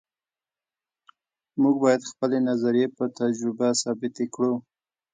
موږ باید خپلې نظریې په تجربه ثابتې کړو.